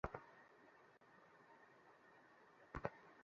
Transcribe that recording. আমার খুব ব্যাথা করছে।